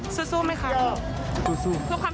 สวัสดีครับคุณผู้ชมครับ